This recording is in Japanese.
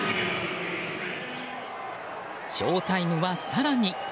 ショータイムは、更に。